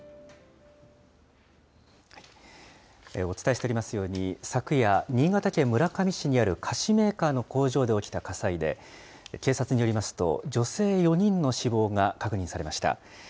お伝えしていますように、昨夜、新潟県村上市にある菓子メーカーの工場で起きた火災で、警察によりますと、女性４人の死亡が確認されました。